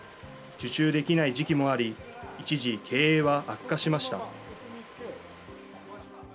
受注できない時期もあり、一時、経営は悪化しました。